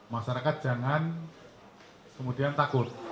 masyarakat jangan kemudian takut